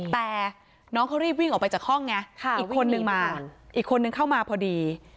แต่น้องเขารีบวิ่งออกไปจากห้องไงอีกคนนึงมาอีกคนนึงเข้ามาพอดี